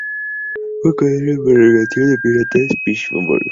Fue contratado por la organización de los Piratas de Pittsburgh.